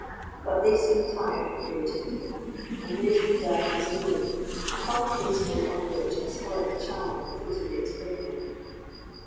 But they soon tired of poor Tinto, and laid him down as a load, upon the principle on which a spoilt child throws away its plaything.